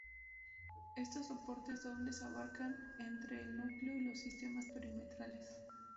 Estos soportes dobles abarcan entre el núcleo y los sistemas perimetrales.